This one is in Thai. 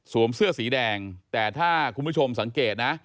เสื้อสีแดงแต่ถ้าคุณผู้ชมสังเกตนะ